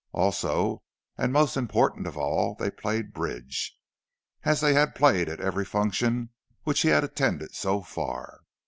Also, and most important of all, they played bridge—as they had played at every function which he had attended so far.